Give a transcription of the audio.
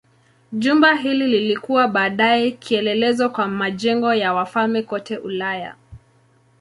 Jumba hili lilikuwa baadaye kielelezo kwa majengo ya wafalme kote Ulaya.